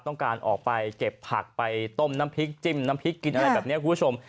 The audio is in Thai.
ต้องการออกไปเก็บผักไปต้มน้ำพริกจิ้มน้ำพริกกินอะไรแบบนี้คุณผู้ชม